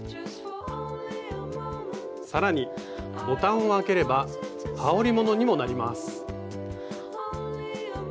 更にボタンを開ければはおりものにもなります。